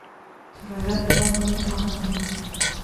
غیرت د بد نیت مخه نیسي